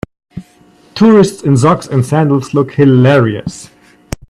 Tourists in socks and sandals look hilarious.